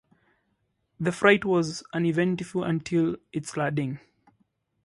The flight was uneventful until its landing.